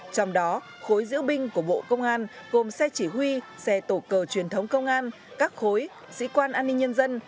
trong đó khối diễu binh của bộ công an gồm xe chỉ huy xe tổ cờ truyền thống công an các khối sĩ quan an ninh nhân dân